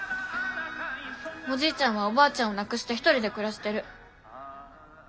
おじいちゃんはおばあちゃんを亡くして一人で暮らしてる。